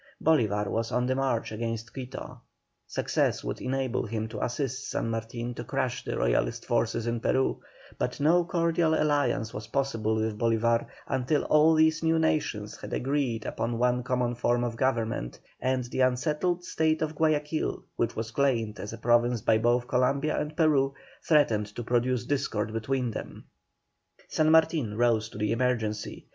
Bolívar was on the march against Quito; success would enable him to assist San Martin to crush the Royalist forces in Peru, but no cordial alliance was possible with Bolívar until all these new nations had agreed upon one common form of government, and the unsettled state of Guayaquil, which was claimed as a province by both Columbia and Peru, threatened to produce discord between them. San Martin rose to the emergency.